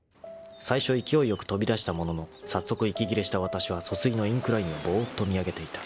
［最初勢い良く飛び出したものの早速息切れしたわたしは疎水のインクラインをぼーっと見上げていた］